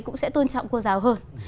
cũng sẽ tôn trọng cô giáo hơn